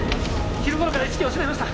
昼頃から意識を失いました